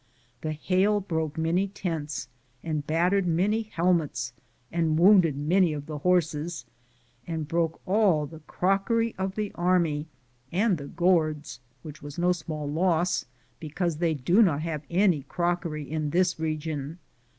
The hail broke many tents, and battered many helmets, and wounded many of the horses, and broke all the crockery of the army, and the gourds, which was no small am Google THE JOURNEY OF CORONADO loss, because they do not Have any crockery in this region.